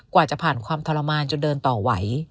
กว่าจะผ่านความทรมานจนเดินต่อไหว